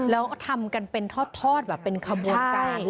แล้วทำกันเป็นทอดแบบเป็นขบวนการ